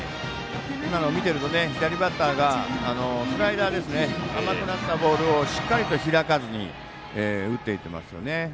今の見てると左バッターがスライダーですね甘くなったボールをしっかりと開かずに打っていきますよね。